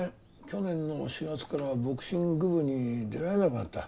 去年の４月からはボクシング部に出られなくなった。